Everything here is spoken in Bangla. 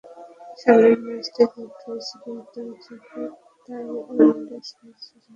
সামনের ম্যাচটি জিতলেই সিরিজ, দুই চোখে তাই ওয়ানডে সিরিজ জয়ের স্বপ্ন।